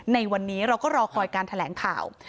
ในวันนี้เราก็รอคอยการแถลงข่าว